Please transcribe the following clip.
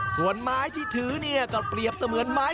ส่วนไม้ที่ถือเนี่ยก็เปรียบเสมือนไม้